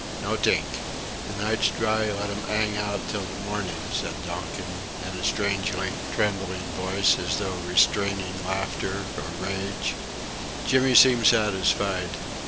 "Nothink. The night's dry, let 'em 'ang out till the morning," said Donkin, in a strangely trembling voice, as though restraining laughter or rage. Jimmy seemed satisfied.